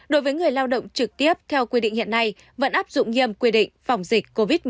đối với người lao động trực tiếp theo quy định hiện nay vẫn áp dụng nghiêm quy định phòng dịch covid một mươi chín